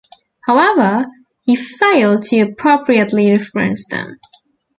However, he failed to appropriately reference them.